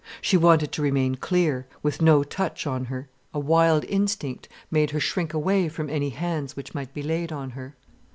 She wanted to remain clear, with no touch on her. A wild instinct made her shrink away from any hands which might be laid on her.